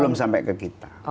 belum sampai ke kita